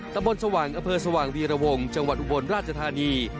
ตำบลสว่างอเภอสว่างวีรวงจังหวัดอุบลราชธานี